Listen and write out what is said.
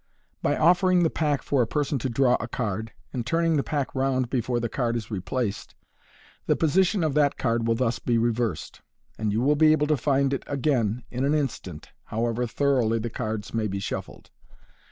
By offering the pack for a person to draw a card, and turning the pack round before the card is replaced, the position of that card will thus be reversed, and you will be able to find it again in an instant, however tho roughly the cards may be shuf fkd.